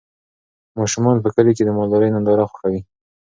ماشومان په کلي کې د مالدارۍ ننداره خوښوي.